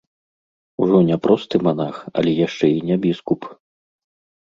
Ужо не просты манах, але яшчэ і не біскуп.